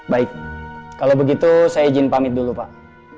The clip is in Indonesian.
baik kalau begitu saya izin pamit dulu pak